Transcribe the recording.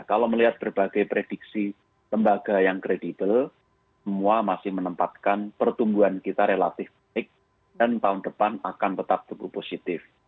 kalau melihat berbagai prediksi lembaga yang kredibel semua masih menempatkan pertumbuhan kita relatif naik dan tahun depan akan tetap tumbuh positif